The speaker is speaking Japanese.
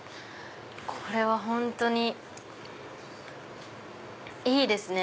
これは本当にいいですね。